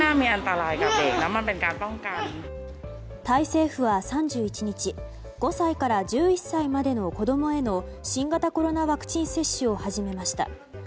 タイ政府は３１日５歳から１１歳までの子供への新型コロナワクチン接種を始めました。